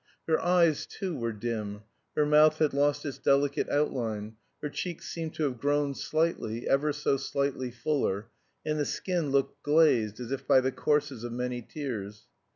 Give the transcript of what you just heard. Her eyes, too, were dim, her mouth had lost its delicate outline, her cheeks seemed to have grown slightly, ever so slightly, fuller, and the skin looked glazed as if by the courses of many tears.